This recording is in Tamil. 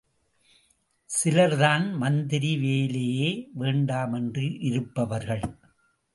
சிலர்தான் மந்திரி வேலையே வேண்டாமென்றிருப்பவர்கள்.